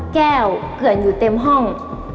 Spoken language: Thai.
แก้วเผื่อนอยู่เต็มห้อง